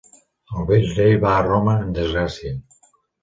El vell rei va a Roma en desgràcia.